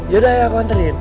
yaudah aku antarin